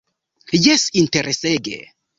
Jes, interesege.